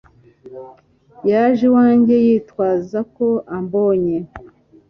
Yaje iwanjye yitwaza ko ambonye.